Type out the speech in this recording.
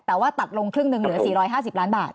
แต่ว่าตัดลงครึ่งหนึ่งเหลือ๔๕๐ล้านบาท